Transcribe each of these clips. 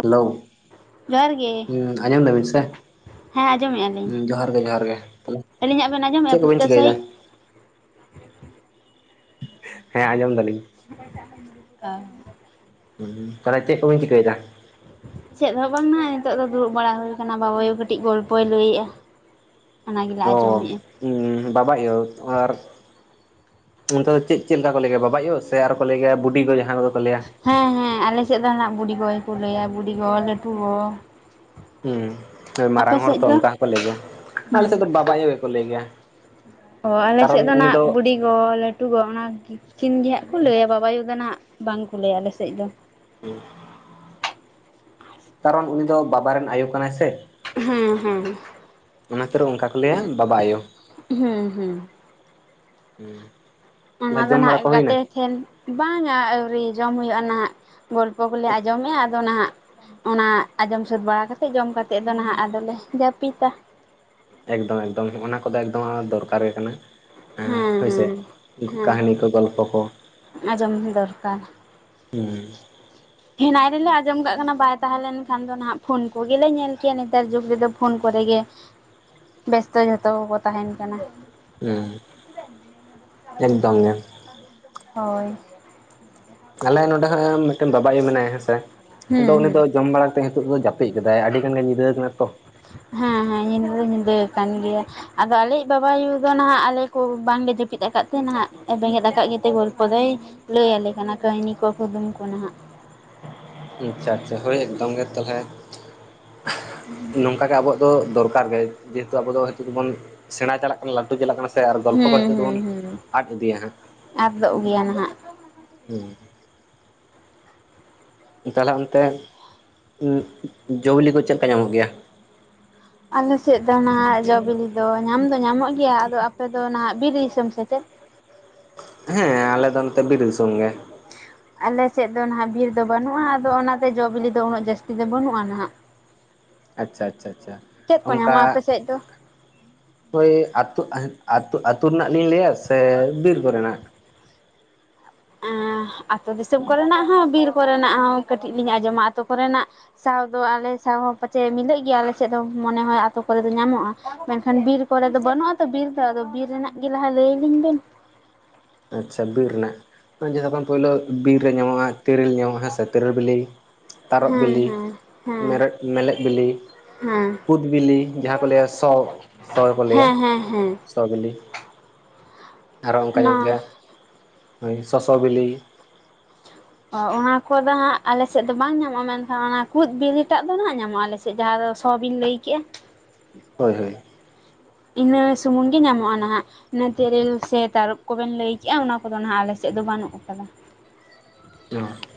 Hello, ᱡᱚᱦᱟᱨ ᱜᱮ ᱦᱩᱸ ᱟᱸᱡᱚᱢ ᱮᱫᱟᱵᱤᱱ ᱥᱮ, ᱦᱮᱸ ᱟᱸᱡᱚᱢᱮᱫᱼᱟ ᱞᱤᱧ ᱦᱩ ᱡᱚᱦᱟᱨ ᱜᱮ ᱡᱚᱦᱟᱨ ᱜᱮ᱾ ᱟᱹᱞᱤᱧᱟᱜ ᱵᱮᱱ ᱟᱡᱚᱢᱮᱜᱼᱟ ᱪᱮᱫ ᱠᱚᱵᱤᱱ ᱯᱩᱥᱴᱟᱣ ᱪᱤᱠᱟᱹᱭᱮᱫᱟ ᱥᱟᱦᱤᱡ ᱾ ᱦᱮᱸ ᱟᱸᱡᱚᱢ ᱮᱫᱟᱞᱤᱧ ᱾ [inaudible] ᱦᱩᱸᱛᱟᱦᱚᱞᱮ ᱪᱮᱫ ᱠᱚᱵᱤᱱ ᱪᱤᱠᱟᱹᱭᱮᱫᱟ? ᱪᱮᱫ ᱦᱚᱸ ᱵᱟᱝ ᱢᱟ ᱱᱤᱛᱚᱜ ᱫᱚ ᱫᱩᱲᱩᱵ ᱵᱟᱲᱟ ᱦᱩᱭ ᱠᱟᱱᱟ, ᱵᱟᱵᱟᱭᱩ ᱠᱟᱹᱴᱤᱡ ᱜᱚᱞᱯᱚᱭ ᱞᱟᱹᱭᱮᱜᱼᱟ ᱾ ᱚᱱᱟ ᱜᱮᱞᱮ ᱟᱸᱡᱚᱢᱮᱫᱼᱟ ᱾ ᱦᱩᱸᱵᱟᱵᱟ ᱟᱹᱳᱛ ᱟᱨ ᱚᱱᱛᱮ ᱫᱚ ᱪᱮᱫ ᱪᱮᱫ ᱞᱮᱠᱟ ᱠᱚ ᱞᱟᱹᱭ ᱜᱮᱭᱟ, ᱵᱟᱵᱟ ᱟᱭᱳ ᱥᱮ ᱟᱨᱚ ᱠᱚ ᱞᱟᱹᱭᱜ ᱭᱮᱟ ᱵᱩᱰᱤᱜᱚ ᱡᱟᱦᱟᱸ ᱠᱚᱫᱚ ᱠᱚ ᱞᱟᱹᱭᱟ? ᱦᱮᱸ ᱦᱮᱸ ᱟᱞᱮᱥᱮᱫ ᱫᱚᱱᱟᱜ ᱵᱩᱲᱰᱤ ᱜᱚ ᱜᱮ ᱠᱚ ᱞᱟᱹᱭᱟ, ᱵᱩᱲᱰᱤᱜᱚ ᱞᱟᱹᱴᱩ ᱜᱚ ᱾ ᱦᱩᱸ ᱢᱟᱨᱟᱝ ᱦᱚᱲ ᱛᱚ ᱫᱚ ᱚᱱᱠᱟ ᱦᱚᱸᱠᱚ ᱞᱟᱹᱭ ᱜᱮᱭᱟ, ᱟᱞᱮ ᱦᱩᱸ ᱥᱮᱫ ᱫᱚ ᱵᱟᱵᱟ ᱟᱭᱳ ᱜᱮᱠᱚ ᱞᱟᱹᱭ ᱜᱮᱭᱟ ᱾ ᱚ ᱟᱞᱮᱥᱮᱫ ᱫᱚ ᱦᱱᱟᱜ, ᱵᱩᱰᱤ ᱜᱚ, ᱞᱟᱹᱴᱩ ᱜᱚ, ᱚᱱᱟᱠᱤᱱ ᱜᱮᱦᱟᱜ ᱠᱚ ᱞᱟᱹᱭᱟ ᱵᱟᱵᱟ ᱟᱭᱩ ᱫᱚ ᱱᱟᱜ ᱵᱟᱝ ᱠᱚ ᱞᱟᱹᱭᱟ ᱟᱞᱮᱥᱮᱫ ᱫᱚ ᱾ ᱠᱟᱨᱚᱱ, ᱩᱱᱤ ᱫᱚ ᱵᱟᱵᱟ ᱨᱮᱱ ᱟᱭᱳ ᱠᱟᱱᱟᱭ ᱥᱮ ᱾ ᱦᱩᱸ ᱦᱮᱸ ᱾ ᱚᱱᱟᱛᱮ ᱨᱮ ᱚᱱᱠᱟ ᱠᱚ ᱞᱟᱹᱭᱟ, ᱵᱟᱵᱟ ᱟᱭᱳ ᱦᱩᱸ ᱦᱩᱸ ᱾ᱦᱩᱸ ᱚᱱᱟ ᱫᱚ ᱱᱟᱦᱟᱜ ᱜᱟᱛᱮ ᱴᱷᱮᱱ, ᱵᱟᱝᱟ ᱟᱹᱣᱨᱤ ᱡᱚᱢ ᱦᱩᱭᱩᱜᱼᱟ ᱱᱟᱦᱱᱟᱜ ᱾ ᱜᱚᱞᱯᱚ ᱠᱚᱞᱮ ᱟᱸᱡᱚᱢ ᱢᱮᱼᱟ ᱟᱫᱚ ᱱᱟᱦᱟᱜ ᱼᱼ ᱚᱱᱟ ᱟᱸᱡᱚᱢ ᱥᱟᱹᱛ ᱵᱟᱲᱟ ᱠᱟᱛᱮᱜ, ᱡᱚᱢ ᱠᱟᱛᱮᱫ ᱫᱚ ᱱᱟᱦᱟᱜ ᱟᱫᱚᱞᱮ ᱡᱟᱹᱯᱤᱫᱟ ᱾ ᱮᱠᱫᱚᱢ ᱮᱠᱫᱚᱢ ᱦᱚᱱᱟ ᱠᱚᱫᱚ ᱮᱠᱫᱚᱢ ᱫᱚᱨᱠᱟᱨ ᱜᱮ ᱠᱟᱱᱟ ᱾ ᱦᱮᱸ ᱦᱳᱭ ᱥᱮ, ᱦᱮᱸ ᱠᱟᱦᱟᱱᱤ ᱠᱚ ᱜᱚᱞᱯᱚ ᱠᱚ᱾ ᱟᱸᱡᱚᱢ ᱫᱚᱨᱠᱟᱨ, ᱦᱩᱸ ᱦᱮᱱᱟᱜ ᱨᱮᱞᱮ ᱟᱸᱡᱚᱢ ᱠᱟᱜ ᱠᱟᱱᱟ, ᱵᱟᱭ ᱛᱟᱦᱮᱸ ᱞᱮᱱ ᱠᱷᱟᱱ ᱫᱚ ᱱᱟᱦᱟᱜ, ᱯᱷᱳᱱ ᱠᱚᱜᱮ ᱧᱮᱞ ᱠᱮᱭᱟ ᱱᱮᱛᱟᱨ ᱡᱩᱜᱽ ᱨᱮᱫᱚ ᱯᱷᱳᱱ ᱠᱚᱨᱮ ᱜᱮᱼᱼ ᱵᱮᱥᱛᱚ ᱡᱷᱚᱛᱚ ᱠᱚᱠᱚ ᱛᱟᱦᱮᱱ ᱠᱟᱱᱟ᱾ ᱦᱩᱸᱮᱠᱫᱚᱢ ᱜᱮ, ᱦᱳᱭ, ᱟᱞᱮ ᱱᱚᱰᱮ ᱦᱚᱸ ᱢᱤᱫᱴᱮᱱ ᱵᱟᱵᱟ ᱟᱭᱳ ᱢᱮᱱᱟᱭᱟ ᱦᱮᱸᱥᱮ ᱟᱫᱚ ᱦᱩᱸ ᱩᱱᱤ ᱦᱩᱸ ᱫᱚ ᱡᱚᱢ ᱵᱟᱲᱟ ᱱᱤᱛᱚᱜ ᱫᱚ ᱡᱟᱹᱯᱤᱫ ᱟᱠᱟᱫᱟᱭ, ᱟᱹᱰᱤ ᱜᱟᱱᱜᱮ ᱧᱤᱫᱟᱹ ᱠᱟᱱᱟ ᱛᱚ᱾ ᱦᱮᱸ ᱦᱮᱸ, ᱧᱤᱫᱟᱹ ᱫᱚ ᱧᱤᱫᱟᱹ ᱟᱠᱟᱱ ᱜᱮᱭᱟ, ᱟᱫᱚ ᱟᱞᱮᱭᱤᱡᱽ ᱵᱟᱵᱟᱭᱩ ᱫᱚ ᱱᱟᱦᱟᱜ ᱟᱞᱮ ᱠᱩ ᱵᱟᱝᱞᱮ ᱡᱟᱹᱯᱤᱫ ᱟᱠᱟᱫ ᱛᱮ, ᱱᱟᱦᱟᱜ ᱵᱮᱸᱜᱮᱫ ᱟᱠᱟᱫ ᱜᱮᱛᱮ ᱜᱚᱞᱯᱚ ᱫᱚᱭᱼᱼ ᱞᱟᱹᱭ ᱟᱞᱮ ᱠᱟᱱᱟ, ᱠᱟᱹᱦᱱᱤ ᱠᱚ ᱠᱩᱫᱩᱢ ᱠᱚ ᱱᱟᱦᱟᱜᱼᱼ ᱟᱪᱪᱷᱟ ᱟᱪᱪᱷᱟ ᱦᱳᱭ ᱮᱠᱫᱚᱢ ᱜᱮ ᱛᱟᱦᱚᱞᱮ, ᱱᱚᱝ ᱚᱱᱠᱟᱜᱮ ᱟᱵᱚᱣᱟᱜ ᱫᱚᱨᱠᱟᱨ ᱜᱮ, ᱡᱮᱦᱮᱛᱩ ᱟᱵᱚ ᱫᱚ ᱱᱤᱛᱚᱜ ᱫᱚᱵᱚᱱ, ᱥᱮᱲᱟ ᱪᱟᱞᱟᱜᱼᱼ ᱞᱟᱹᱴᱩ ᱪᱟᱞᱟᱜ ᱠᱟᱱᱟ ᱥᱮ ᱟᱨ ᱜᱚᱞᱯᱚ ᱠᱚ ᱦᱩᱸ ᱱᱤᱛᱳᱜ ᱦᱩᱸ ᱫᱚᱵᱚᱱ, ᱦᱩᱸ ᱟᱫ ᱤᱫᱤᱭᱟ ᱦᱟᱸᱜᱼᱼ ᱟᱫᱚᱜ ᱜᱮᱭᱟ ᱱᱟᱦᱟᱜ ᱦᱩᱸ ᱛᱟᱦᱚᱞᱮ ᱚᱱᱛᱮ, ᱡᱚ ᱵᱤᱞᱤ ᱠᱚ ᱪᱮᱫ ᱞᱮᱠᱟ ᱧᱟᱢᱚᱜ ᱜᱮᱭᱟ? ᱟᱞᱮ ᱥᱮᱫ ᱫᱚ ᱱᱟᱦᱟᱜ ᱡᱚ ᱵᱤᱞᱤ ᱫᱚ ᱧᱟᱢ ᱫᱚ ᱧᱟᱢᱚᱜ ᱜᱮᱭᱟ, ᱟᱫᱚ ᱟᱯᱮ ᱫᱚ ᱱᱟᱦᱟᱜ ᱵᱤᱨ ᱫᱤᱥᱚᱢ ᱥᱮᱪᱮᱫ? ᱦᱮᱸ ᱟᱞᱮ ᱫᱚ ᱱᱚᱛᱮ ᱵᱤᱨ ᱫᱤᱥᱚᱢ ᱜᱮ᱾ ᱟᱞᱮᱥᱮᱫ ᱫᱚ ᱱᱟᱦᱟᱜ ᱵᱤᱨ ᱫᱚ ᱵᱟᱹᱱᱩᱜᱼᱟ, ᱟᱫᱚ ᱚᱱᱟᱛᱮ ᱡᱚ ᱵᱤᱞᱤ ᱫᱚ ᱩᱱᱟᱹᱜ ᱡᱟᱹᱥᱛᱤ ᱫᱚ ᱵᱟᱹᱱᱩᱜᱼᱟ ᱱᱟᱦᱟᱜ, ᱟᱪᱪᱷᱟ ᱟᱪᱪᱷᱟ, ᱟᱪᱪᱷᱟ, ᱪᱮᱫ ᱠᱚ ᱚᱱᱠᱟᱼᱼ ᱧᱟᱢᱚᱜᱼᱟ ᱟᱯᱮ ᱥᱮᱫ ᱫᱚ ᱳᱭ ᱟᱹᱛᱩ ᱟᱹᱛᱩ ᱟᱹᱛᱩ ᱨᱮᱱᱟᱜ ᱞᱤᱧ ᱞᱟᱹᱭᱟ ᱥᱮ ᱵᱤᱨ ᱠᱚᱨᱮᱱᱟᱜ? ᱮᱻ ᱟᱛᱳ ᱫᱤᱥᱚᱢ ᱠᱚᱨᱮᱱᱟᱜ ᱦᱚᱸ ᱵᱤᱨᱼᱼ ᱠᱚᱨᱮᱱᱟᱜ ᱦᱚᱸ ᱠᱟᱹᱴᱤᱡ ᱞᱤᱧ ᱟᱸᱡᱚᱢᱟ, ᱟᱹᱛᱳ ᱠᱚᱨᱮᱱᱟᱜ ᱥᱟᱶ ᱫᱚ ᱟᱞᱮ ᱥᱟᱶ ᱦᱚᱸᱼᱼ ᱯᱟᱪᱮᱫ ᱢᱤᱞᱟᱹᱜ ᱜᱮᱭᱟ ᱟᱞᱮᱥᱮᱫ ᱫᱚ ᱢᱚᱱᱮ ᱦᱳᱭ ᱟᱯ ᱛᱚ ᱠᱚᱨᱮ ᱫᱚ ᱧᱟᱢᱚᱜᱼᱟ, ᱢᱮᱱᱠᱷᱟᱱ ᱵᱤᱨ ᱠᱚᱨᱮ ᱫᱚ ᱵᱟᱹᱱᱩᱜᱼᱟ ᱛᱚ ᱵᱤᱨ ᱫᱚ, ᱟᱫᱚ ᱵᱤᱨ ᱨᱮᱱᱟᱜ ᱜᱮ ᱞᱟᱦᱟ ᱞᱟᱹᱭᱟᱞᱤᱧ ᱵᱮᱱ, ᱟᱪᱪᱷᱟ ᱵᱤᱨ ᱨᱮᱱᱟᱜ, ᱡᱚᱛᱚ ᱠᱷᱚᱱ ᱯᱳᱭᱞᱳ ᱵᱤᱨ ᱨᱮ ᱧᱟᱢᱚᱜᱼᱟ ᱛᱮᱹᱨᱮᱹᱞ ᱧᱟᱢᱚᱜᱼᱟ, ᱦᱮᱸᱥᱮ, ᱛᱤᱨᱤᱞ ᱵᱤᱞᱤ, ᱛᱟᱨᱚᱵᱽ ᱦᱮᱸ ᱵᱤᱞᱤ, ᱦᱮᱸ ᱦᱮᱸ ᱢᱮᱨᱮᱫ ᱢᱮᱞᱞᱮᱫ ᱵᱤᱞᱤ, ᱠᱩᱫ ᱵᱤᱞᱤ, ᱡᱟᱦᱟᱸ ᱠᱚ ᱞᱟᱹᱭᱟ ᱥᱚᱼᱼ ᱥᱚ ᱜᱮ ᱠᱚ ᱞᱟᱹᱭᱟ, ᱦᱮᱸ ᱦᱮᱸ ᱦᱮᱸ ᱦᱮᱸ ᱥᱚ ᱵᱤᱞᱤ, ᱟᱨᱚ ᱚᱱᱠᱟ ᱚᱱᱟ ᱧᱟᱢᱚᱜ ᱜᱮᱭᱟ, ᱦᱳᱭ ᱥᱚᱥᱚ ᱵᱤᱞᱤᱼᱼ ᱚᱸ ᱚᱱᱟ ᱠᱚᱫᱚ ᱦᱟᱸᱜ ᱟᱞᱮᱥᱮᱫ ᱫᱚ ᱵᱟᱝ ᱧᱟᱢᱚᱜᱼᱟ ᱢᱮᱱᱠᱷᱟᱱ ᱚᱱᱟ ᱠᱩᱫ ᱵᱤᱞᱤ ᱴᱟᱜ ᱫᱚ ᱱᱟᱸᱜ ᱧᱟᱢᱚᱜᱼᱟ ᱟᱞᱮᱥᱮᱫᱼᱼ ᱡᱟᱦᱟᱸ ᱫᱚ ᱥᱚ ᱵᱤᱱ ᱞᱟᱹᱭ ᱠᱮᱼᱟ? ᱦᱳᱭ ᱦᱳᱭ᱾ ᱤᱱᱟᱹ ᱥᱩᱢᱩᱝ ᱜᱮ ᱧᱟᱢᱚᱜᱼᱟ ᱱᱟᱦᱟᱜ ᱚᱱᱟ ᱛᱮᱹᱨᱮᱹᱞ ᱥᱮ ᱛᱟᱹᱨᱚᱵᱽ ᱠᱚ ᱵᱮᱱ ᱞᱟᱹᱭ ᱠᱮᱜᱼᱟ ᱚᱱᱟ ᱠᱚᱫᱚ ᱱᱟᱸᱜ ᱟᱞᱮ ᱥᱮᱫ ᱫᱚ ᱵᱟᱹᱱᱩᱜ ᱟᱠᱟᱫᱟ ᱾ [unintelligible]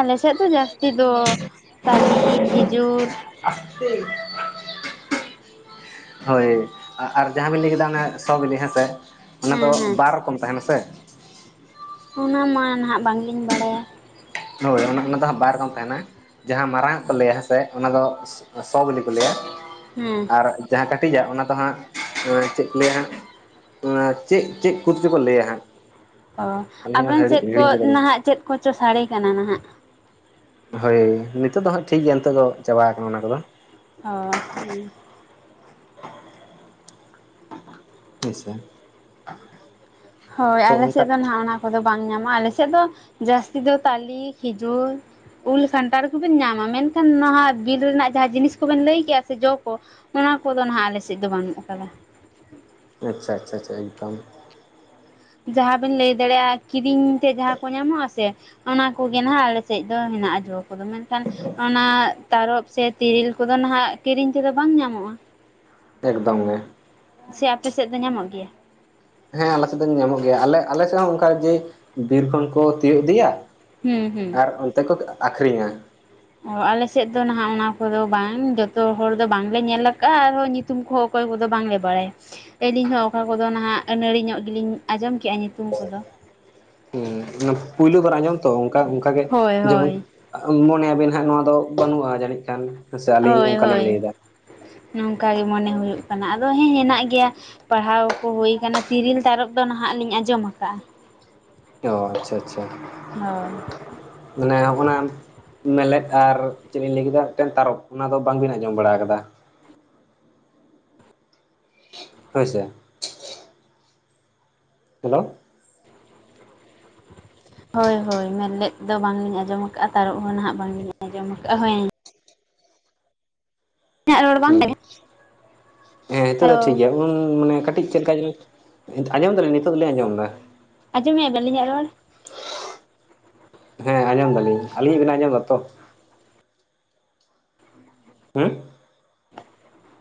ᱟᱞᱮᱥᱮᱫ ᱫᱚ ᱡᱟᱹᱥᱛᱤ ᱫᱚ ᱛᱟᱹᱞᱤ ᱠᱷᱤᱡᱩᱨ ᱟᱥᱛᱮ, ᱦᱳᱭ ᱟᱨ ᱟᱨ ᱡᱟᱦᱟᱸ ᱵᱤᱱ ᱞᱟᱹᱭ ᱠᱮᱫᱟ ᱚᱱᱟ ᱥᱚ ᱵᱤᱞᱤ ᱦᱮᱸ ᱥᱮ? ᱚᱱᱟ ᱦᱮᱸ ᱫᱚ ᱦᱮᱸ ᱵᱟᱨ ᱨᱚᱠᱚᱢ ᱛᱟᱦᱮᱸᱱᱟ ᱥᱮ? ᱚᱱᱟ ᱢᱟ ᱱᱟᱦᱟᱜ ᱵᱟᱝᱞᱤᱧ ᱵᱟᱲᱟᱭᱟ᱾ ᱦᱳᱭ ᱚᱱᱟ ᱚᱱᱟ ᱫᱚ ᱦᱟᱸᱜ ᱵᱟᱨ ᱨᱚᱠᱚᱢ ᱛᱟᱦᱮᱸᱱᱟ᱾ ᱡᱟᱦᱟᱸ ᱢᱟᱨᱟᱝ ᱟᱜ ᱠᱚ ᱞᱟᱹᱭᱟ ᱦᱮᱸ ᱥᱮ ᱚᱱᱟ ᱫᱚ ᱥᱚ ᱵᱤᱞᱤ ᱠᱚ ᱞᱟᱹᱭᱟ᱾ ᱦᱩᱸ᱾ ᱟᱨ ᱡᱟᱦᱟᱸ ᱠᱟᱹᱴᱤᱡᱟᱜ ᱚᱱᱟ ᱫᱚ ᱦᱟᱸᱜ ᱮᱸ ᱪᱮᱫ ᱠᱚ ᱞᱟᱹᱭᱟ? ᱚᱱᱟ ᱪᱮᱫ ᱪᱮᱫ ᱠᱚ ᱪᱚ ᱠᱚ ᱞᱟᱹᱭᱟ ᱦᱟᱸᱜᱼᱼ ᱚ ᱟᱵᱮᱱ ᱥᱮᱫ ᱠᱚ ᱠᱮᱫᱟᱞᱤᱧ ᱱᱟᱦᱟᱜ ᱪᱮᱫ ᱠᱚᱪᱚ ᱥᱟᱰᱮ ᱠᱟᱱᱟ ᱱᱟᱦᱟᱜ᱾ ᱦᱳᱭ ᱱᱤᱛᱳᱜ ᱫᱚ ᱦᱟᱸᱜ ᱴᱷᱤᱠ ᱜᱮᱭᱟ ᱱᱤᱛᱚᱜ ᱫᱚ ᱪᱟᱵᱟ ᱟᱠᱟᱱᱟ ᱚᱱᱟ ᱠᱚᱫᱚ᱾ ᱚ ᱦᱩᱸ᱾ [unintelligible] ᱦᱚᱭ ᱛᱚ ᱟᱞᱮ ᱚᱱᱠᱟ ᱥᱮᱫ ᱫᱚ ᱱᱟᱦᱟᱜ ᱚᱱᱟ ᱠᱚᱫᱚ ᱵᱟᱝ ᱧᱟᱢᱟ ᱟᱞᱮᱥᱮᱫ ᱫᱚ ᱡᱟᱹᱥᱛᱤ ᱫᱚ ᱛᱟᱞᱤ ᱠᱷᱤᱡᱩᱨ, ᱩᱞ ᱠᱷᱟᱱᱴᱟᱲ ᱠᱚᱵᱮᱱ ᱧᱟᱢᱟ, ᱢᱮᱱᱠᱷᱟᱱ ᱱᱚᱣᱟ ᱵᱤᱨ ᱨᱮᱱᱟᱜ ᱡᱟᱦᱟᱸ ᱡᱤᱱᱤᱥ ᱠᱚᱵᱮᱱ ᱞᱟᱹᱭ ᱠᱭᱟ ᱥᱮ ᱡᱚ ᱠᱚ ᱚᱱᱟ ᱠᱚᱫᱚ ᱱᱟᱜ ᱟᱞᱮᱥᱮᱫ ᱫᱚ ᱵᱟᱹᱱᱩᱜ ᱟᱠᱟᱫᱟ᱾ ᱟᱪᱪᱷᱟ ᱟᱪᱪᱷᱟ ᱟᱪᱪᱷᱟ ᱮᱠᱫᱚᱢ᱾ ᱡᱟᱦᱟᱸᱵᱤᱱ ᱞᱟᱹᱭ ᱫᱟᱲᱮᱭᱟᱜᱼᱟ ᱠᱤᱨᱤᱧ ᱛᱮ ᱡᱟᱦᱟᱸ ᱠᱚ ᱧᱟᱢᱚᱜ ᱟᱥᱮ ᱚᱱᱟ ᱠᱚᱜᱮ ᱱᱟᱦᱟᱜ ᱟᱞᱮ ᱥᱮᱡ ᱫᱚ ᱦᱮᱱᱟᱜᱼᱟ ᱡᱚ ᱠᱚᱫᱚ ᱢᱮᱱᱠᱷᱟᱱ ᱚᱱᱟ ᱛᱟᱨᱚᱯ ᱥᱮ ᱛᱤᱨᱤᱞ ᱠᱚᱫᱚ ᱱᱟᱦᱟᱜ ᱠᱤᱨᱤᱧ ᱛᱮᱫᱚ ᱵᱟᱝ ᱧᱟᱢᱚᱜᱼᱟ᱾ ᱮᱠᱫᱚᱢ ᱜᱮ᱾ ᱥᱮ ᱟᱯᱮ ᱥᱮᱫ ᱫᱚ ᱧᱟᱢᱚᱜ ᱜᱮᱭᱟ? ᱦᱮᱸ ᱟᱞᱮ ᱥᱮᱫ ᱫᱚ ᱧᱟᱢᱚᱜ ᱜᱮᱭᱟ ᱟᱞᱮ ᱟᱞᱮ ᱥᱮᱫ ᱦᱚᱸ ᱚᱝᱠᱟ ᱡᱮ ᱵᱤᱨ ᱠᱷᱚᱱ ᱠᱚ ᱛᱤᱭᱳᱜ ᱤᱫᱤᱭᱟ, ᱦᱩᱸ ᱦᱩᱸ ᱟᱨ ᱚᱱᱛᱮ ᱠᱚ ᱟᱸᱠᱷᱨᱤᱧᱟ᱾ ᱚ ᱟᱞᱮ ᱥᱮᱫ ᱫᱚ ᱱᱟᱦᱟᱜ ᱚᱱᱟ ᱠᱚᱫᱚ ᱵᱟᱝ ᱡᱚᱛᱚ ᱦᱚᱲ ᱫᱚ ᱵᱟᱝᱞᱮ ᱧᱮᱞ ᱟᱠᱟᱟᱜᱼᱟ ᱟᱨᱦᱚᱸ ᱱᱤ ᱧᱩᱛᱩᱢ ᱠᱚᱦᱚᱸ ᱚᱠᱚᱭ ᱠᱚᱫᱚ ᱵᱟᱝᱞᱮ ᱵᱟᱲᱟᱭᱟ᱾ ᱟᱹᱞᱤᱧ ᱦᱚᱸ ᱚᱠᱟ ᱠᱚᱫᱚ ᱱᱟᱦᱟᱜ ᱟᱹᱱᱟᱹᱲᱤ ᱧᱚᱜ ᱜᱮᱞᱤᱧ ᱟᱸᱡᱚᱢ ᱠᱮᱜᱼᱟ ᱧᱩᱛᱩᱢ ᱠᱚᱫᱚ᱾ ᱦᱮᱸ ᱚᱱᱟ ᱯᱩᱭᱞᱩ ᱠᱷᱚᱱᱟᱜ ᱟᱸᱡᱚᱢ ᱛᱚ ᱚᱝᱠᱟ ᱚᱝᱠᱟᱜᱮ ᱦᱳᱭ ᱡᱮᱢᱚᱱ ᱦᱳᱭ ᱢᱚᱱᱮᱭᱟᱵᱤᱱ ᱦᱟᱸᱜ ᱱᱚᱣᱟ ᱫᱚ ᱵᱟᱹᱱᱩᱜᱼᱟ ᱡᱟᱹᱱᱤᱡ ᱠᱷᱟᱱ᱾ ᱦᱮᱸᱥᱮ ᱟᱹᱞᱤᱧ ᱦᱳᱭ ᱚᱱᱠᱟᱞᱤᱧ ᱦᱳᱭ ᱞᱟᱹᱭᱫᱟ ᱱᱚᱝᱠᱟ ᱜᱮ ᱢᱚᱱᱮ ᱦᱩᱭᱩᱜ ᱠᱟᱱᱟ, ᱟᱫᱚ ᱦᱮᱸ ᱦᱮᱱᱟᱜ ᱜᱮᱭᱟ᱾ ᱯᱟᱲᱦᱟᱣ ᱠᱚ ᱦᱳᱭ ᱠᱟᱱᱟ ᱛᱤᱨᱤᱞ ᱛᱟᱨᱚᱵᱽ ᱫᱚ ᱱᱟᱦᱟᱜ ᱞᱤᱧ ᱟᱸᱡᱚᱢ ᱟᱠᱟᱼᱟ᱾ ᱚ ᱟᱪᱪᱷᱟ ᱟᱪᱪᱷᱟ᱾ ᱦᱳᱭ᱾ ᱢᱟᱱᱮ ᱟᱵᱱᱟᱜ ᱢᱮᱞᱮᱫ ᱟᱨ ᱪᱮᱫ ᱤᱧ ᱞᱟᱹᱭ ᱠᱮᱫᱟ ᱢᱤᱫᱴᱮᱱ ᱛᱟᱨᱚᱵᱽ ᱚᱱᱟ ᱫᱚ ᱵᱟᱝᱵᱤᱱ ᱟᱸᱡᱚᱢ ᱵᱟᱲᱟ ᱠᱟᱫᱟ᱾ ᱦᱳᱭ ᱥᱮ᱾ ᱦᱮᱞᱳ, ᱦᱳᱭ ᱦᱳᱭ ᱢᱮᱱᱞᱮᱡ ᱫᱚ ᱵᱟᱝ ᱞᱤᱧ ᱟᱸᱡᱚᱢ ᱠᱟᱜᱼᱟ ᱛᱟᱹᱨᱩᱵᱽ ᱦᱚᱸ ᱱᱟᱦᱟᱜ ᱵᱟᱝ ᱞᱤᱧ ᱟᱸᱡᱚᱢ ᱠᱟᱜᱼᱟ, ᱦᱮᱸ ᱤᱧᱟᱹᱜ ᱨᱚᱲ ᱵᱟᱝ, ᱦᱮᱸ ᱦᱮᱸ ᱦᱤᱛᱳᱫ ᱫᱚ ᱦᱮᱞᱳ ᱴᱷᱤᱠ ᱜᱮᱭᱟ, ᱦᱩᱸ ᱢᱟᱱᱮ ᱠᱟᱹᱴᱤᱡ ᱪᱮᱫ ᱞᱮᱠᱟ ᱟᱸᱡᱚᱢ ᱫᱟᱞᱮᱧ ᱱᱤᱛᱚᱜ ᱫᱚᱞᱤᱮᱧ ᱟᱸᱡᱚᱢ ᱮᱫᱟ, ᱟᱡᱸᱚᱢ ᱢᱮᱭᱟ ᱵᱮᱱ ᱟᱹᱞᱤᱧᱟᱜ ᱨᱚᱲ? ᱦᱮᱸ ᱟᱸᱡᱚᱢ ᱫᱟᱞᱤᱧ ᱟᱹᱞᱤᱧᱟ ᱵᱮᱱ ᱟᱸᱡᱚᱢᱫᱟ ᱛᱚ? ᱦᱮᱸ, [unintelligible]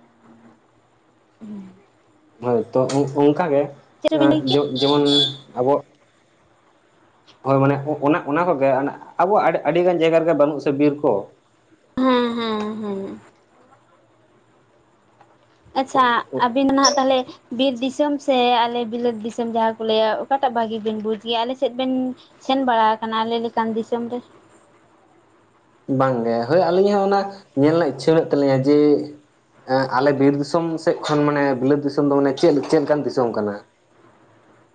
[unintelligible] ᱦᱳᱭ ᱛᱚ ᱚᱝᱠᱟ ᱜᱮ ᱪᱮᱫ ᱪᱚᱵᱮᱱ ᱞᱟᱹᱭ ᱠᱮᱫ ᱡᱮ-ᱡᱮᱢᱚᱱ ᱟᱵᱚᱣᱟᱜ, ᱦᱳᱭ ᱢᱟᱱᱮ ᱚᱱᱟ ᱚᱱᱟ ᱠᱚ ᱜᱮ ᱟᱵᱚᱣᱟᱜ ᱟᱹᱰᱤᱜᱟᱱ ᱡᱟᱭᱜᱟ ᱨᱮ ᱜᱮ ᱵᱟᱹᱱᱩᱜ ᱥᱮ ᱵᱤᱨ ᱠᱚ᱾ ᱦᱩᱸ ᱦᱩᱸ ᱦᱩᱸ, ᱟᱪᱪᱷᱟ, ᱟᱹᱵᱤᱱ ᱱᱟᱜ ᱛᱟᱦᱚᱞᱮ ᱵᱤᱨ ᱫᱤᱥᱚᱢ ᱥᱮ ᱟᱞᱮ ᱵᱤᱞᱟᱹᱛ ᱫᱤᱥᱚᱢ ᱡᱟᱦᱟᱸ ᱠᱚ ᱞᱟᱹᱭᱟ ᱚᱠᱟᱴᱟᱜ ᱵᱷᱟᱹᱜᱮ ᱵᱤᱱ ᱵᱩᱡᱽ ᱜᱮᱭᱟ? ᱟᱞᱮ ᱥᱮᱫ ᱵᱮᱱ ᱥᱮᱱ ᱵᱟᱲᱟ ᱟᱠᱟᱱᱟ ᱟᱞᱮ ᱞᱮᱠᱟᱱ ᱫᱤᱥᱚᱢ ᱨᱮ? ᱵᱟᱝ ᱜᱮ ᱦᱳᱭ ᱟᱹᱞᱤᱧ ᱦᱚᱸ ᱚᱱᱟ ᱧᱮᱞ ᱨᱮᱱᱟᱜ ᱤᱪᱪᱷᱟᱹ ᱢᱮᱱᱟᱜ ᱛᱟᱹᱞᱤᱧᱟ ᱡᱮ ᱟᱸ ᱟᱞᱮ ᱵᱤᱨ ᱫᱤᱥᱚᱢ ᱥᱮᱫ ᱠᱷᱚᱱ ᱢᱟᱱᱮ ᱵᱤᱞᱟᱹᱛ ᱫᱤᱥᱚᱢ ᱫᱚ ᱢᱟᱱᱮ ᱪᱮᱫ ᱪᱮᱫ ᱞᱮᱠᱟᱱ ᱫᱤᱥᱚᱢ ᱠᱟᱱᱟ? [unintelligible]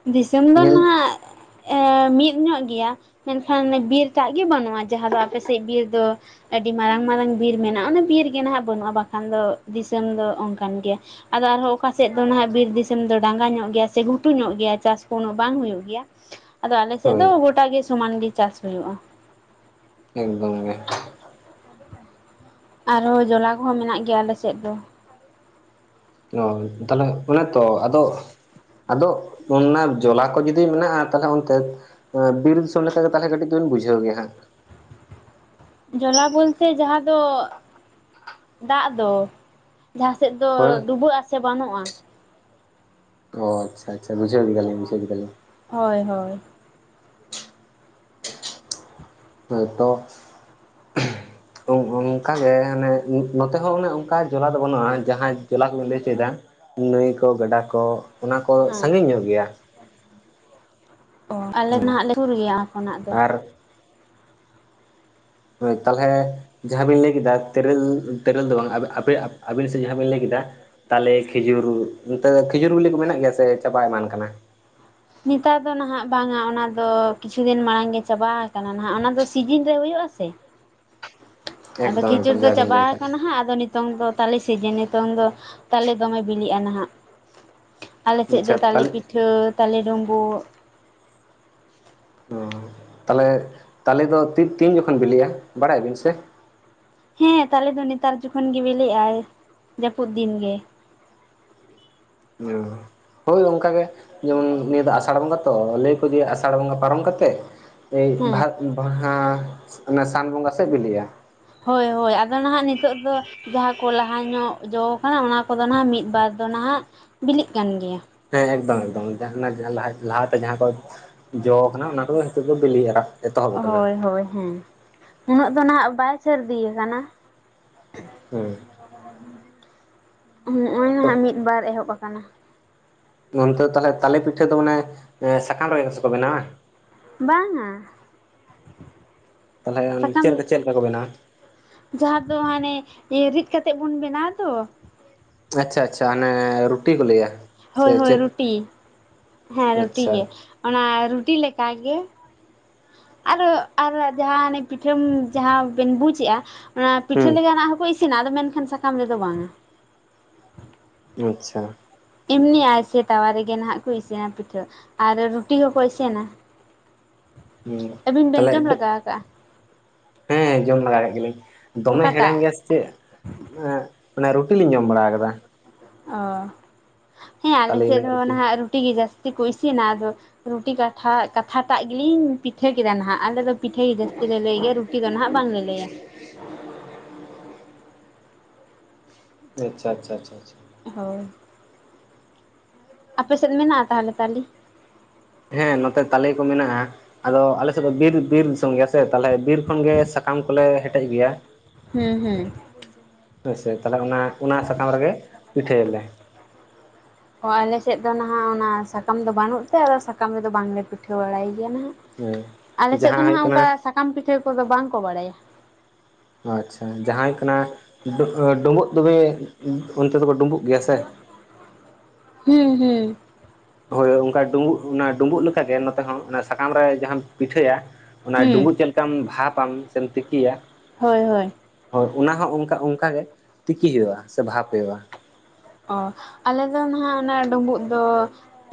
ᱫᱤᱥᱚᱢ ᱫᱚ ᱧᱮᱞ ᱱᱟᱜ ᱢᱤᱫ ᱧᱚᱜ ᱜᱮᱭᱟ, ᱢᱮᱱ ᱠᱷᱟᱱ ᱵᱤᱨ ᱴᱟᱜ ᱜᱮ ᱵᱟᱹᱱᱩᱜᱼᱟ ᱡᱟᱦᱟᱸ ᱫᱚ ᱟᱯᱮ ᱥᱮᱫ ᱵᱤᱨ ᱫᱚ᱾ ᱟᱹᱰᱤ ᱢᱟᱨᱟᱝ ᱢᱟᱨᱟᱝ ᱵᱤᱨ ᱢᱮᱱᱟᱜᱼᱟ ᱚᱱᱮ ᱵᱤᱨ ᱜᱮ ᱱᱟᱦᱟᱜ ᱵᱟᱹᱱᱩᱜᱼᱟ ᱵᱟᱠᱷᱟᱱ ᱫᱚ ᱫᱤᱥᱚᱢ ᱫᱚ ᱚᱝᱠᱟᱱ ᱜᱮᱭᱟ᱾ ᱟᱫᱚ ᱟᱨᱦᱚᱸ ᱚᱠᱟ ᱥᱮᱫ ᱫᱚ ᱱᱟᱦᱟᱹᱜ ᱵᱤᱨ ᱫᱤᱥᱚᱢ ᱫᱚ ᱰᱟᱝᱜᱟ ᱧᱚᱜ ᱜᱮᱭᱟ ᱥᱮ ᱜᱷᱩᱴᱩ ᱧᱚᱜ ᱜᱮᱭᱟ, ᱜᱮᱭᱟ ᱪᱟᱥ ᱠᱚ ᱩᱱᱟᱹᱜ ᱵᱟᱝ ᱦᱳᱭᱳᱜ ᱜᱮᱭᱟ ᱟᱫᱚ ᱟᱞᱮ ᱥᱮᱫ ᱫᱚ ᱦᱳᱭ ᱜᱚᱴᱟ ᱜᱮ ᱥᱚᱢᱟᱱ ᱜᱮ ᱪᱟᱥ ᱦᱳᱭᱳᱜ-ᱟ ᱾ ᱮᱠᱫᱚᱢ ᱜᱮ, ᱟᱨ ᱦᱚᱸ ᱡᱚᱞᱟ ᱠᱚ ᱦᱚᱸ ᱢᱮᱱᱟᱜ ᱜᱮᱭᱟ ᱟᱞᱮ ᱥᱮᱫ ᱫᱚ, ᱚ ᱛᱟᱦᱚᱞᱮ ᱚᱱᱮ ᱛᱚ ᱟᱫᱚ, ᱟᱫᱚ ᱚᱱᱟ ᱡᱚᱞᱟ ᱠᱚ ᱡᱩᱫᱤ ᱢᱮᱱᱟᱜ-ᱟ ᱛᱟᱦᱚᱞᱮ ᱚᱱᱛᱮ, ᱵᱤᱨ ᱫᱤᱥᱚᱢ ᱞᱮᱠᱟ ᱜᱮ ᱛᱟᱦᱚᱞᱮ ᱠᱟᱹᱴᱤᱡ ᱫᱩᱵᱤᱱ ᱵᱩᱡᱷᱟᱹᱳ ᱜᱮᱭᱟᱸ ᱷᱟᱸᱜ, ᱡᱚᱞᱟ ᱵᱚᱞᱛᱮ ᱡᱟᱦᱟᱸ ᱫᱚ ᱫᱟᱜ ᱫᱚ, ᱡᱟᱦᱟᱸ ᱥᱮᱫ ᱫᱚ ᱦᱳᱭ ᱰᱩᱵᱟᱹᱜ-ᱟ ᱥᱮ ᱵᱟᱹᱱᱚ-ᱟ, ᱚ ᱟᱪᱪᱷᱟ ᱟᱪᱪᱷᱟ, ᱵᱩᱡᱷᱟᱹᱳ ᱠᱮᱫᱟ ᱞᱤᱧ ᱵᱩᱡᱟᱹᱳ ᱠᱮᱫᱟ ᱞᱤᱧ ᱦᱳᱭ ᱦᱳᱭ, ᱦᱚᱭ ᱛᱚ, ᱚᱝᱠᱟ ᱜᱮ ᱢᱟᱱᱮ ᱱᱚᱛᱮ ᱦᱚᱸ ᱚᱱᱮ ᱚᱝᱠᱟ ᱡᱚᱞᱟ ᱫᱚ ᱵᱟᱹᱱᱩ-ᱟ ᱡᱟᱦᱟᱸ ᱡᱚᱞᱟ ᱠᱚ ᱵᱤᱱ ᱞᱟᱹᱭ ᱦᱚᱪᱚᱭᱮᱫᱟ ᱾ ᱱᱟᱹᱭ ᱠᱚ ᱜᱟᱰᱟ ᱠᱚ ᱚᱱᱟ ᱠᱚ ᱥᱟᱺᱜᱤᱧ ᱧᱚᱜ ᱜᱮᱭᱟ ᱾ ᱚᱸ ᱟᱞᱮ ᱫᱚ ᱦᱮᱸ ᱱᱟᱜ ᱞᱮ ᱥᱩᱨ ᱜᱮᱭᱟ ᱚᱱᱟ ᱠᱷᱚᱱᱟᱜ ᱫᱚ, ᱟᱨ ᱦᱚᱭ ᱛᱟᱦᱚᱞᱮ, ᱡᱟᱦᱟᱸ ᱵᱤᱱ ᱞᱟᱹᱭ ᱠᱮᱫᱟ ᱛᱮᱨᱮᱞ ᱛᱮᱨᱮᱞ ᱫᱚ ᱵᱟᱝ ᱟᱵᱮ ᱟᱹᱵᱤᱱ ᱥᱮᱫ ᱡᱟᱦᱟᱸ ᱵᱤᱱ ᱞᱟᱹᱭ ᱠᱮᱫᱟ, ᱛᱟᱞᱮ ᱠᱷᱤᱡᱩᱨ ᱱᱚᱛᱮ ᱠᱷᱤᱡᱩᱨ ᱵᱮᱞᱮ ᱠᱚ ᱢᱮᱱᱟᱜ ᱜᱮᱭᱟ ᱥᱮ ᱪᱟᱵᱟ ᱮᱢᱟᱱ ᱠᱟᱱᱟ? ᱱᱮᱛᱟᱨ ᱫᱚ ᱱᱟᱦᱟᱜ ᱵᱟᱝᱟ ᱚᱱᱟ ᱫᱚ ᱠᱤᱪᱷᱩ ᱫᱤᱱ ᱢᱟᱲᱟᱝ ᱜᱮ ᱪᱟᱵᱟ ᱟᱠᱟᱱᱟ ᱱᱟᱦᱟᱜ ᱚᱱᱟ ᱫᱚ ᱥᱤᱡᱤᱱ ᱨᱮ ᱦᱳᱭᱳᱜ-ᱟ ᱥᱮ ᱟᱫᱚ ᱮᱠᱫᱚᱢ ᱠᱷᱤᱡᱩᱨ ᱮᱠᱫᱚᱢ ᱫᱚ ᱡᱟ ᱵᱤᱱ ᱪᱟᱵᱟ ᱞᱟᱹᱭ ᱠᱟᱫ ᱟᱠᱟᱱᱟ ᱦᱟᱸᱜ ᱟᱫᱚ, ᱱᱤᱛᱚᱝ ᱫᱚ ᱛᱟᱞᱮ ᱥᱤᱡᱤᱱ ᱱᱤᱛᱚᱝ ᱫᱚ ᱛᱟᱞᱮ ᱫᱚᱢᱮ ᱵᱤᱞᱤᱜ-ᱟ ᱱᱟᱦᱟᱹᱜ, ᱟᱞᱮ ᱥᱮᱫ ᱫᱚ ᱟᱪᱪᱷᱟ ᱛᱟᱞᱮ ᱛᱟᱦᱚᱞᱮ ᱯᱤᱴᱷᱟᱹ ᱛᱟᱞᱮ ᱰᱳᱵᱳᱜ, ᱚ ᱛᱟᱦᱚᱞᱮ ᱛᱟᱞᱮ ᱫᱚ ᱛᱤᱱ ᱡᱚᱠᱷᱚᱱ ᱵᱤᱞᱤ-ᱟ ᱵᱟᱲᱟᱭᱟ ᱵᱤᱱ ᱥᱮ? ᱦᱮᱸ ᱛᱟᱞᱮ ᱫᱚ ᱱᱮᱛᱟᱨ ᱡᱚᱠᱷᱚᱱ ᱜᱮ ᱵᱤᱞᱤ-ᱟᱭ ᱡᱟᱹᱯᱩᱫ ᱫᱤᱱ ᱜᱮ᱾ ᱚ᱾ ᱦᱳᱭ ᱚᱝᱠᱟᱜ ᱜᱮ ᱡᱮᱢᱚᱱ ᱱᱤᱭᱟᱹ ᱫᱚ ᱟᱥᱟᱲ ᱵᱚᱸᱜᱟ ᱛᱚ ᱞᱟᱹᱭ-ᱟ ᱠᱚ ᱡᱮ ᱟᱥᱟᱲ ᱵᱚᱸᱜᱟ ᱯᱟᱨᱚᱢ ᱠᱟᱛᱮ ᱮᱭ ᱦᱮᱸ ᱵᱟᱦᱟ ᱵᱟᱦᱟ ᱚᱱᱟ ᱥᱟᱱ ᱵᱚᱸᱜᱟ ᱥᱮᱫ ᱵᱤᱞᱤᱜ-ᱟ᱾ ᱦᱳᱭ ᱦᱳᱭ ᱟᱫᱚ ᱱᱟᱦᱟᱸᱜ ᱱᱤᱛᱚᱜ ᱫᱚ ᱡᱟᱦᱟᱸ ᱠᱚ ᱞᱟᱦᱟ ᱧᱚᱜ ᱡᱚ ᱦᱮᱸ ᱚᱱᱟ ᱠᱚᱫᱚ ᱱᱟᱦᱟᱹᱜ ᱢᱤᱫ ᱵᱟᱨ ᱫᱚ ᱱᱟᱦᱟᱹᱜ ᱵᱤᱞᱤᱜ ᱠᱟᱱ ᱜᱮᱭᱟ᱾ ᱦᱮᱸ ᱮᱠᱫᱚᱢ ᱮᱠᱫᱚᱢ ᱚᱱᱮ ᱞᱟᱦᱟᱛᱮ ᱡᱟᱦᱟᱸ ᱠᱚ ᱡᱚ ᱠᱟᱱᱟ ᱚᱱᱟ ᱠᱚᱫᱚ ᱱᱤᱛᱚᱜ ᱫᱚ ᱵᱤᱞᱤᱜ-ᱟ᱾ ᱦᱳᱭ ᱦᱳᱭ ᱦᱮᱸ ᱩᱱᱟᱹᱜ ᱫᱚ ᱱᱟᱦᱟᱸᱜ ᱵᱟᱭ ᱥᱟᱹᱨᱫᱤ ᱠᱟᱱᱟ, ᱦᱩᱸ᱾ ᱱᱚᱸᱜ-ᱚᱭ ᱱᱟᱦᱟᱹᱜ ᱢᱤᱫ ᱵᱟᱨ ᱮᱦᱚᱵ ᱟᱠᱟᱱᱟ᱾ ᱚᱱᱛᱮ ᱫᱟ ᱛᱟᱦᱚᱞᱮ ᱛᱟᱞᱮ ᱯᱤᱴᱷᱟᱹ ᱫᱚ ᱢᱟᱱᱮ ᱥᱟᱠᱟᱢ ᱨᱮᱜᱮ ᱠᱚ ᱥᱮ ᱵᱮᱱᱟᱣᱟ? ᱵᱟᱝ-ᱟ᱾ ᱛᱟᱹᱦᱚᱞᱮ ᱥᱟᱠᱟᱢ ᱪᱮᱫ ᱞᱮᱠᱟ ᱪᱮᱫ ᱞᱮᱠᱟ ᱠᱚ ᱵᱮᱱᱟᱣᱟ? ᱡᱟᱦᱟᱸ ᱫᱚ ᱦᱟᱸᱱᱮ ᱨᱤᱫ ᱠᱟᱛᱮᱜ ᱵᱚᱱ ᱵᱮᱱᱟᱳᱟ ᱫᱚ, ᱟᱪᱪᱷᱟ ᱟᱪᱪᱷᱟ ᱚᱱᱮ ᱨᱩᱴᱤ ᱠᱚ ᱞᱟᱹᱭᱟ᱾ ᱥᱮ ᱦᱳᱭ ᱦᱳᱭ ᱪᱮᱫ ᱨᱩᱴᱤ ᱦᱮᱸ ᱨᱩᱴᱤ ᱟᱪᱪᱷᱟ ᱜᱮ ᱚᱱᱟ ᱨᱩᱴᱤ ᱞᱮᱠᱟ ᱜᱮ ᱟᱨᱚ ᱟᱨ ᱡᱟᱦᱟᱸ ᱚᱱᱮ ᱯᱤᱴᱷᱟᱹᱢ ᱡᱟᱦᱟᱸ ᱵᱮᱱ ᱵᱩᱡᱮᱜᱼᱟ, ᱚᱱᱟ ᱦᱩᱸ ᱯᱤᱴᱷᱟᱹ ᱞᱮᱠᱟᱱᱟᱜ ᱦᱚᱸᱠᱚ ᱤᱥᱤᱱᱟ ᱟᱫᱚ ᱢᱮᱱᱠᱷᱟᱱ ᱥᱟᱠᱟᱢ ᱨᱮᱫᱚ ᱵᱟᱝᱟ᱾ ᱟᱪᱪᱷᱟ᱾ ᱮᱢᱱᱤ ᱟᱭᱥᱮ ᱛᱟᱣᱟ ᱨᱮᱜᱮ ᱱᱟᱦᱟᱸᱜ ᱠᱚ ᱤᱥᱤᱱᱟ ᱯᱤᱴᱷᱟᱹ ᱟᱨ ᱨᱩᱴᱤ ᱦᱚᱸᱠᱚ ᱤᱥᱤᱱᱟ᱾ ᱦᱩᱸ ᱟᱹᱵᱤᱱ ᱵᱮᱱ ᱛᱟᱦᱚᱞᱮ ᱡᱚᱢ ᱞᱟᱜᱟ ᱠᱟᱜ-ᱟ? ᱦᱮᱸ ᱡᱚᱢ ᱵᱟᱬᱟ ᱠᱟᱜ ᱜᱮᱭᱟ ᱞᱤᱧ ᱫᱚᱢᱮ ᱦᱮᱲᱮᱢ ᱚᱠᱟᱴᱟᱜ ᱜᱮᱭᱟ ᱥᱮ ᱪᱮᱫ ᱮᱸᱜ ᱮ ᱨᱩᱴᱤ ᱞᱤᱧ ᱡᱚᱢ ᱵᱟᱲᱟ ᱠᱟᱫᱟ᱾ ᱚ ᱦᱮᱸ ᱟᱞᱮ ᱛᱟᱞᱮ ᱥᱮᱫ ᱨᱮᱱᱟᱜ ᱦᱚᱸ ᱱᱟᱦᱟᱸᱜ ᱨᱩ ᱨᱩᱴᱤ ᱜᱮ ᱡᱟᱹᱥᱛᱤ ᱠᱚ ᱤᱥᱤᱱᱟ ᱟᱫᱚ ᱨᱩᱴᱤ ᱠᱟᱛᱷᱟ ᱠᱟᱛᱷᱟᱴᱟᱜ ᱜᱮᱞᱤᱧ ᱯᱤᱴᱷᱟᱹ ᱠᱮᱫᱟ ᱱᱟᱦᱟᱹᱜ ᱟᱞᱮᱫᱚ ᱯᱤᱴᱷᱟᱹ ᱜᱮ ᱡᱟᱹᱥᱛᱤ ᱞᱮ ᱞᱟᱹᱭ ᱜᱮᱭᱟ ᱨᱩᱴᱤ ᱫᱚ ᱱᱟᱦᱟᱹᱜ ᱵᱟᱝᱞᱮ ᱞᱟᱹᱭᱟ᱾ [inaudible] ᱟᱪᱪᱷᱟ ᱪᱷᱟ ᱪᱷᱟ ᱪᱷᱟ᱾ ᱦᱳᱭ᱾ ᱟᱯᱮᱥᱮᱫ ᱢᱮᱱᱟᱜᱼᱟ ᱛᱟᱦᱚᱞᱮ ᱛᱟᱞᱤ? ᱦᱮᱸ ᱱᱚᱛᱮ ᱛᱟᱞᱮ ᱠᱚ ᱢᱮᱱᱟᱜᱼᱟ᱾ ᱟᱫᱚ ᱟᱞᱮ ᱥᱮᱫ ᱫᱚ ᱵᱤᱨ ᱵᱤᱨ ᱫᱤᱥᱚᱢ ᱜᱮᱭᱟ ᱥᱮ ᱛᱟᱦᱞᱮ ᱵᱤᱨ ᱠᱷᱚᱱᱜᱮ ᱥᱟᱠᱟᱢ ᱠᱚᱞᱮ ᱦᱮᱴᱮᱡ ᱟᱜᱩᱭᱟ᱾ ᱦᱩᱸ ᱦᱩᱸ᱾ ᱦᱳᱭ ᱥᱮ ᱛᱟᱦᱚᱞᱮ ᱚᱱᱟ ᱚᱱᱟ ᱥᱟᱠᱟᱢ ᱨᱮᱜᱮ ᱯᱤᱴᱷᱟᱹᱭᱟᱞᱮ᱾ ᱚ ᱟᱞᱮᱥᱮᱫ ᱫᱚ ᱱᱟᱦᱟᱸᱜ ᱚᱱᱟ ᱥᱟᱠᱟᱢ ᱫᱚ ᱵᱟᱹᱱᱩᱜ ᱛᱮ ᱟᱫᱚ ᱥᱟᱠᱟᱢ ᱨᱮᱫᱚ ᱵᱟᱝᱞᱮ ᱯᱤᱴᱷᱟᱹ ᱵᱟᱲᱟᱭ ᱜᱮᱭᱟ ᱱᱟᱦᱟᱸᱜ᱾ ᱟᱞᱮ ᱦᱮᱸ᱾ ᱥᱮᱫ ᱡᱟᱦᱟᱸ ᱫᱚ ᱦᱩᱭᱩᱜ ᱱᱟᱦᱟᱸᱜ ᱠᱟᱱᱟ ᱚᱝᱠᱟ ᱥᱟᱠᱟᱢ ᱯᱤᱴᱷᱟᱹ ᱠᱚᱫᱚ ᱵᱟᱝᱠᱚ ᱵᱟᱲᱟᱭᱟ᱾ ᱟᱪᱪᱷᱟ ᱡᱟᱦᱟᱸᱭ ᱠᱟᱱᱟ ᱰᱳ ᱰᱳᱵᱩᱜ ᱛᱚᱵᱮ ᱚᱱᱛᱮ ᱫᱚᱠᱚ ᱰᱩᱵᱩᱜ ᱜᱮᱭᱟ ᱥᱮ? ᱦᱩᱸ ᱦᱩᱸ᱾ ᱦᱳᱭ ᱚᱱᱠᱟ ᱰᱩᱸᱵᱩᱜ ᱚᱱᱟ ᱰᱩᱸᱵᱩᱜ ᱞᱮᱠᱟᱜᱮ ᱱᱚᱛᱮ ᱦᱚᱸ ᱚᱱᱟ ᱥᱟᱠᱟᱢ ᱨᱮ ᱡᱟᱦᱟᱸᱢ ᱯᱤᱴᱷᱟᱹᱭᱟ, ᱚᱱᱟ ᱦᱩᱸ ᱰᱩᱢᱵᱩᱜ ᱪᱮᱫ ᱞᱮᱠᱟᱢ ᱵᱷᱟᱯᱟᱢ ᱥᱮᱢ ᱛᱤᱠᱤᱭᱟ ᱦᱳᱭ ᱦᱳᱭ᱾ ᱦᱳᱭ ᱚᱱᱟ ᱦᱚᱸ ᱚᱱᱠᱟ ᱚᱱᱠᱟ ᱜᱮ ᱛᱤᱠᱤ ᱦᱩᱭᱩᱜᱼᱟ ᱥᱮ ᱵᱷᱟᱵᱽ ᱦᱩᱭᱩᱜᱼᱟ᱾ ᱚ ᱟᱞᱮ ᱫᱚ ᱱᱟᱦᱟᱸᱜ ᱚᱱᱟ ᱰᱩᱢᱵᱩᱜ ᱫᱚ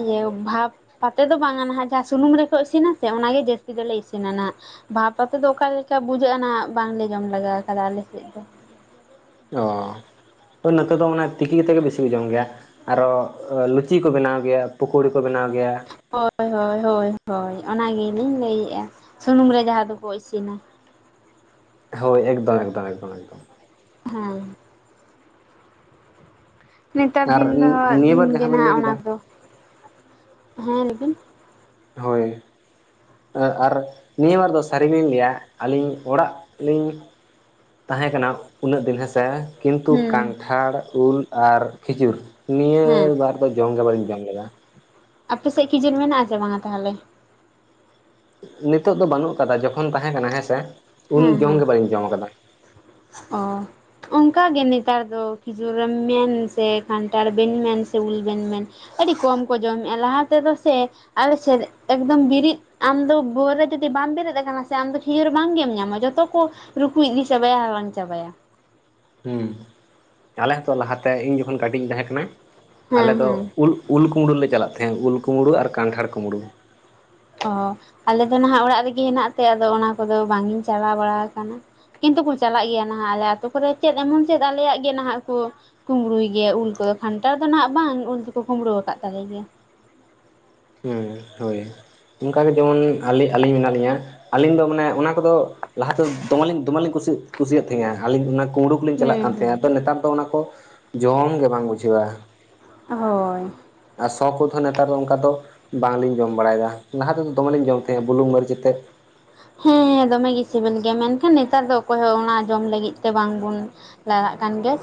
ᱤᱭᱟᱹ ᱵᱷᱟᱵᱽ ᱠᱟᱛᱮ ᱫᱚ ᱵᱟᱝᱼᱟ ᱱᱟᱦᱟᱸᱜ ᱡᱟᱦᱟᱸ ᱥᱩᱱᱩᱢ ᱨᱮᱠᱚ ᱤᱥᱤᱱᱟᱥᱮ ᱚᱱᱟᱜ ᱜᱮ ᱡᱟᱹᱥᱛᱤ ᱫᱚᱞᱮ ᱤᱥᱤᱱᱟ ᱱᱟᱦᱟᱸᱜ᱾ ᱵᱷᱟᱵᱽ ᱠᱟᱛᱮᱫ ᱫᱚ ᱚᱠᱟ ᱞᱮᱠᱟ ᱵᱩᱡᱷᱟᱹᱜᱼᱟ ᱱᱟᱜ ᱵᱟᱝᱞᱮ ᱡᱚᱢ ᱞᱮᱜᱟ ᱠᱟᱫᱟ ᱟᱞᱮ ᱥᱮᱫ ᱫᱚ᱾ ᱚ ᱦᱳᱭ ᱱᱚᱛᱮ ᱫᱚ ᱢᱟᱱᱮ ᱛᱤᱠᱤ ᱠᱟᱛᱮᱫ ᱜᱮ ᱵᱤᱥᱤ ᱠᱚ ᱡᱚᱢ ᱜᱮᱭᱟ᱾ ᱟᱨᱚ ᱞᱩᱪᱤ ᱠᱚ ᱵᱮᱱᱟᱣ ᱜᱮᱭᱟ ᱯᱩᱠᱳᱲᱤ ᱠᱚ ᱵᱮᱱᱟᱣ ᱜᱮᱭᱟ᱾ ᱦᱳᱭ ᱦᱳᱭ ᱦᱳᱭ ᱦᱳᱭ ᱚᱱᱟᱜᱮᱞᱤᱧ ᱞᱟᱹᱭᱮᱫᱼᱟ ᱥᱩᱱᱩᱢ ᱨᱮ ᱡᱟᱦᱟᱸ ᱫᱚᱠᱚ ᱤᱥᱤᱱᱟ᱾ ᱦᱳᱭ ᱮᱠᱫᱚᱢ ᱮᱠᱫᱚᱢ ᱮᱠᱫᱚᱢ ᱮᱠᱫᱚᱢ᱾ ᱦᱮᱸ᱾ ᱱᱮᱛᱟᱨ ᱟᱨ ᱫᱤᱱ ᱫᱚ [inaudible] ᱱᱤᱭᱟᱹ ᱫᱤᱱ ᱵᱟᱨ ᱜᱮ ᱡᱟᱦᱟᱸ ᱵᱮᱱ ᱱᱟᱦᱟᱜ ᱞᱟᱹᱭ ᱚᱱᱟ ᱠᱮᱫᱟ ᱠᱚᱫᱚ᱾ ᱦᱮᱸ ᱞᱮᱭ ᱵᱤᱱ᱾ ᱦᱳᱭ᱾ ᱮᱸ ᱟᱨ ᱱᱤᱭᱟᱹ ᱵᱟᱨ ᱫᱚ ᱥᱟᱹᱨᱤ ᱜᱮᱞᱤᱧ ᱞᱟᱹᱭᱟ ᱟᱹᱞᱤᱧ ᱚᱲᱟᱜ ᱞᱤᱧ ᱛᱟᱦᱮᱸ ᱠᱟᱱᱟ ᱩᱱᱟᱹᱜ ᱫᱤᱱ ᱦᱮᱸ ᱥᱮ᱾ ᱠᱤᱱᱛᱩ ᱦᱩᱸ ᱠᱟᱱᱴᱷᱟᱲ, ᱩᱞ ᱟᱨ ᱠᱷᱤᱡᱩᱨ ᱱᱤᱭᱟᱹ ᱦᱮᱸ ᱵᱟᱨ ᱫᱚ ᱡᱚᱢ ᱜᱮ ᱵᱟᱹᱞᱤᱧ ᱡᱚᱢ ᱞᱮᱫᱟ᱾ ᱟᱯᱮ ᱥᱮᱫ ᱠᱤᱡᱩᱨ ᱢᱮᱱᱟᱜᱼᱟ ᱥᱮ ᱵᱟᱝᱟ ᱛᱟᱦᱚᱞᱮ? ᱱᱤᱛᱚᱜ ᱫᱚ ᱵᱟᱹᱱᱩᱜ ᱟᱠᱟᱫᱟ ᱡᱚᱠᱷᱚᱱ ᱛᱟᱦᱮᱸ ᱠᱟᱱᱟ ᱦᱮᱸᱥᱮ, ᱩᱱ ᱦᱮᱸ ᱦᱮᱸ ᱡᱚᱢᱜᱮ ᱵᱟᱹᱞᱤᱧ ᱡᱚᱢ ᱟᱠᱟᱫᱟ᱾ ᱚ᱾ ᱚᱱᱠᱟᱜᱮ ᱱᱮᱛᱟᱨ ᱫᱚ ᱠᱷᱤᱡᱩᱨᱮᱢ ᱢᱮᱱ ᱥᱮ ᱠᱟᱱᱴᱷᱟᱲ ᱵᱮᱱ ᱢᱮᱱ ᱥᱮ ᱩᱞ ᱵᱮᱱ ᱢᱮᱱ᱾ ᱟᱹᱰᱤ ᱠᱚᱢ ᱠᱚ ᱡᱚᱢᱮᱜᱼᱟ ᱞᱟᱦᱟ ᱛᱮᱫᱚ ᱥᱮ ᱟᱞ ᱥᱮᱫ ᱮᱠᱫᱚᱢ ᱵᱤᱨᱤᱫ ᱟᱢᱫᱚ ᱵᱷᱳᱨ ᱨᱮ ᱡᱩᱫᱤ ᱵᱟᱢ ᱵᱮᱨᱮᱫ ᱟᱠᱟᱱᱟ ᱥᱮ ᱟᱢᱫᱚ ᱠᱷᱤᱭᱩᱨ ᱵᱟᱝᱜᱮᱢ ᱧᱟᱢᱟ ᱡᱚᱛᱚ ᱠᱚ ᱨᱩᱠᱩ ᱤᱫᱤ ᱪᱟᱵᱟᱭᱟ ᱦᱟᱞᱟᱝ ᱪᱟᱵᱟᱭᱟ᱾ ᱦᱩᱸ ᱟᱞᱮ ᱦᱚᱸᱛᱚ ᱞᱟᱦᱟᱛᱮ ᱤᱧ ᱡᱚᱠᱷᱚᱱ ᱠᱟᱹᱴᱤᱡ ᱤᱧ ᱛᱟᱦᱮᱸ ᱠᱟᱱᱟ ᱟᱞᱮ ᱦᱮᱸ ᱫᱚ ᱦᱮᱸ ᱩᱞ ᱩᱞ ᱠᱩᱢᱵᱽᱲᱩ ᱞᱮ ᱪᱟᱞᱟᱜ ᱛᱟᱦᱮᱸᱜ ᱩᱞ ᱠᱩᱢᱵᱽᱲᱩ ᱟᱨ ᱠᱟᱱᱴᱷᱟᱲ ᱠᱩᱢᱵᱽᱲᱩ᱾ ᱚ ᱟᱞᱮ ᱫᱚ ᱱᱟᱦᱟᱜ ᱚᱲᱟᱜ ᱨᱮᱜᱮ ᱦᱮᱱᱟᱜ ᱛᱮ ᱟᱫᱚ ᱚᱱᱟ ᱠᱚᱫᱚ ᱵᱟᱝ ᱤᱧ ᱪᱟᱞᱟᱣ ᱵᱟᱲᱟ ᱟᱠᱟᱱᱟ᱾ ᱠᱤᱱᱛᱩ ᱠᱚ ᱪᱟᱞᱟᱜ ᱜᱮᱭᱟ ᱱᱟᱦᱟᱜ ᱟᱞᱮ ᱟᱛᱳ ᱠᱚᱨᱮ ᱪᱮᱫ ᱮᱢᱚᱱ ᱪᱮᱫ ᱟᱞᱮᱭᱟᱜ ᱜᱮ ᱱᱟᱦᱟᱜ ᱠᱚ ᱠᱩᱢᱵᱽᱲᱩᱭ ᱜᱮᱭᱟ ᱩᱞ ᱠᱚᱫᱚ ᱠᱷᱟᱱᱴᱟᱲ ᱫᱚ ᱱᱟᱦᱟᱜ ᱵᱟᱝ ᱩᱞ ᱫᱚᱠᱚ ᱠᱩᱢᱵᱽᱲᱩ ᱟᱠᱟᱫ ᱛᱟᱞᱮ ᱜᱮᱭᱟ᱾ ᱦᱮᱸ ᱦᱳᱭ ᱚᱱᱠᱟ ᱜᱮ ᱡᱮᱢᱚᱱ ᱟᱹᱞᱤ ᱟᱹᱞᱤᱧ ᱢᱮᱱᱟᱜ ᱞᱤᱧᱟᱹ᱾ ᱟᱹᱞᱤᱧ ᱫᱚ ᱢᱟᱱᱮ ᱚᱱᱟ ᱠᱚᱫᱚ ᱞᱟᱦᱟᱛᱮᱫᱚ ᱫᱚᱢᱮᱞᱤᱧ ᱫᱚᱢᱮᱞᱤᱧ ᱠᱩᱥᱤᱭᱟᱜ ᱠᱩᱥᱤᱭᱟᱜ ᱛᱟᱦᱮᱸᱜ-ᱟ ᱟᱹᱞᱤᱧ ᱚᱱᱟ ᱠᱩᱢᱵᱽᱲᱩ ᱠᱚᱞᱤᱧ ᱪᱟᱞᱟᱜ ᱦᱩᱸ ᱠᱟᱱ ᱦᱩᱸ ᱛᱟᱦᱮᱸᱱᱟ ᱟᱫᱚ ᱱᱮᱛᱟᱨ ᱫᱚ ᱚᱱᱟ ᱠᱚ ᱡᱚᱢ ᱜᱮ ᱵᱟᱝ ᱵᱩᱡᱷᱟᱹᱭᱟ᱾ ᱦᱳᱭ᱾ ᱟᱨ ᱥᱚ ᱠᱚ ᱛᱟᱦᱮᱱᱟ ᱱᱮᱛᱟᱨ ᱫᱚ ᱚᱱᱠᱟ ᱫᱚ᱾ ᱵᱟᱝᱞᱤᱧ ᱡᱚᱢ ᱵᱟᱲᱟᱭᱮᱫᱟ᱾ ᱞᱟᱦᱟ ᱛᱮᱫᱚ ᱫᱚᱢᱮᱞᱤᱧ ᱡᱚᱢ ᱛᱟᱦᱮᱸᱜ ᱵᱩᱞᱩᱝ ᱢᱟᱹᱨᱤᱪ ᱟᱛᱮᱫ᱾ ᱦᱮᱸ ᱫᱚᱢᱮ ᱜᱮ ᱜᱮ ᱥᱤᱵᱤᱞ ᱜᱮᱭᱟ ᱢᱮᱱᱠᱷᱟᱱ ᱱᱮᱛᱟᱨ ᱫᱚ ᱚᱠᱚᱭ ᱦᱚᱸ ᱚᱱᱟ ᱡᱚᱢ ᱞᱟᱹᱜᱤᱫ ᱛᱮ ᱵᱟᱝᱵᱚᱱ ᱞᱟᱜᱟᱜ ᱠᱟᱱ ᱜᱮᱭᱟ᱾